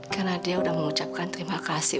karena dia udah mengucapkan terima kasih